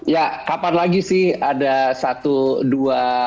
ya kapan lagi sih ada satu dua